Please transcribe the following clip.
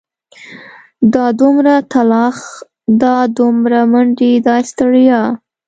دا دومره تلاښ دا دومره منډې دا ستړيا.